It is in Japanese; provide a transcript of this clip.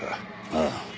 ああ。